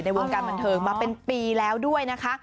วงการบันเทิงมาเป็นปีแล้วด้วยนะคะ